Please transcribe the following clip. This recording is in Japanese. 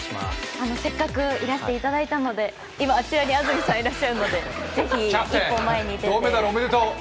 せっかくいらしていただいたので今あちらに安住さんいらっしゃるので銅メダルおめでとう！